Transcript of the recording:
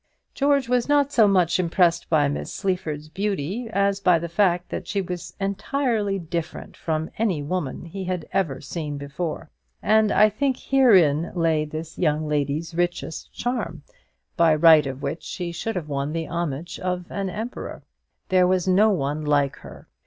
George was not so much impressed by Miss Sleaford's beauty as by the fact that she was entirely different from any woman he had ever seen before; and I think herein lay this young lady's richest charm, by right of which she should have won the homage of an emperor. There was no one like her.